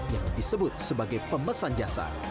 yang disebut sebagai pemesan jasa